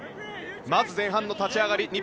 まず前半の立ち上がり